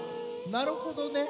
なるほどね。